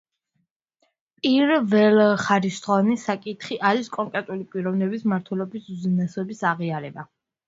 პირველხარისხოვანი საკითხი არის კონკრეტული პიროვნების მმართველობის უზენაესობის აღიარება.